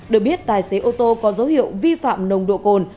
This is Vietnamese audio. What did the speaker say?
được biết tài xế ô tô có dấu hiệu vi phạm nồng độ cồn